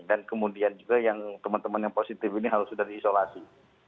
dan kemudian juga yang teman teman yang positif ini harus sudah diisolasi